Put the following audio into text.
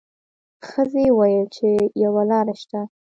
ښځې وویل چې یوه لار شته.